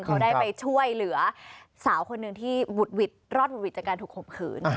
เขาได้ไปช่วยเหลือสาวคนหนึ่งที่หวุดหวิดรอดหวุดหวิดจากการถูกข่มขืน